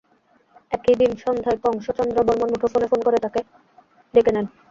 একই দিন সন্ধ্যায় কংস চন্দ্র বর্মণ মুঠোফোনে ফোন করে তাকে ডেকে নেন।